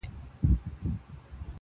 قانون هم کمزوری ښکاري دلته,